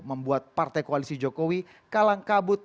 membuat partai koalisi jokowi kalang kabut